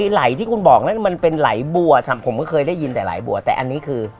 ไหลที่คุณบอกนั้นมันเป็นไหลบัวผมก็เคยได้ยินแต่ไหลบัวแต่อันนี้คือ